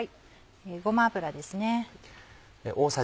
ごま油ですね。